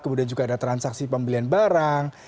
kemudian juga ada transaksi pembelian barang